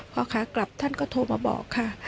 พ่อค้ากลับท่านก็โทรมาบอกค่ะ